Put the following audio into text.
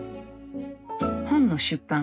本の出版